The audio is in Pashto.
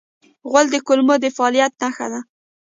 غول د کولمو د فعالیت نښه ده.